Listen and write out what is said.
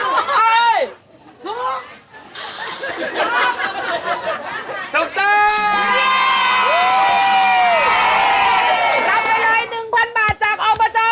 รับไว้ร้อยหนึ่งพันบาทจากออกมาจอม